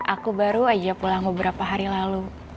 aku baru aja pulang beberapa hari lalu